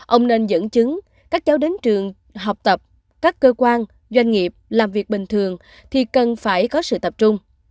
ông nên dẫn chứng các cháu đến trường học tập các cơ quan doanh nghiệp làm việc bình thường thì cần phải có sự tập trung